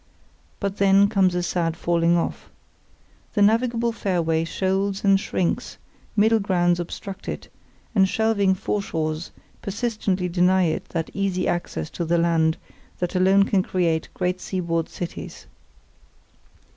But then comes a sad falling off. The navigable fairway shoals and shrinks, middle grounds obstruct it, and shelving foreshores persistently deny it that easy access to the land that alone can create great seaboard cities.